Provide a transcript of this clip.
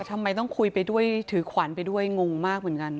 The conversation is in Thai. ทำไมต้องคุยไปด้วยถือขวัญไปด้วยงงมากเหมือนกัน